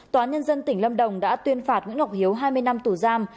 tòa án nhân dân tỉnh lâm đồng đã tuyên phạt nguyễn ngọc hiếu hai mươi năm tù giam